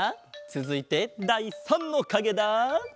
つづいてだい３のかげだ。